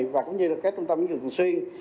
và cũng như là các trung tâm giáo dục thường xuyên